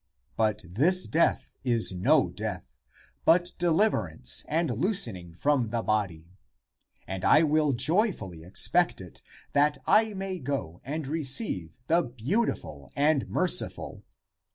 But this death is no death, but deliverance and loosen ing from the body. And I will joyfully expect it that I may go and receive the Beautiful and Merci ful.